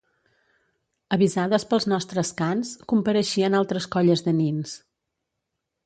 Avisades pels nostres cants, compareixien altres colles de nins